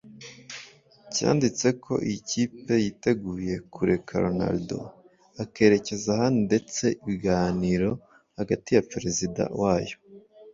cyanditse ko iyi kipe yiteguye kureka Ronaldo akerekeza ahandi ndetse ibiganiro hagati ya perezida wayo